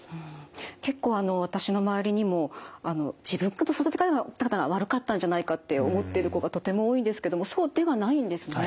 結構私の周りにも自分の育て方が悪かったんじゃないかと思ってる子がとても多いんですけれどもそうではないんですね。